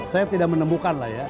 saya tidak menemukan lah ya